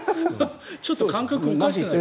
ちょっと感覚おかしくなった。